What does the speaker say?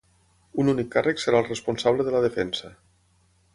Un únic càrrec serà el responsable de la defensa.